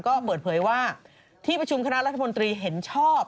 ก็เปิดเผยว่าที่ประชุมคณะรัฐมนตรีเห็นชอบ